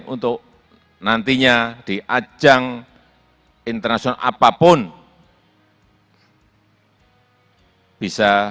untuk nanti berjalan ke dunia